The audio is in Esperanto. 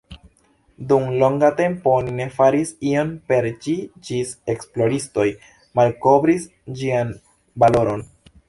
Dum longa tempo oni ne faris ion per ĝi ĝis esploristoj malkovris ĝian valoron.